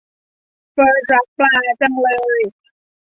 เฟิสท์รักปลาจังเลย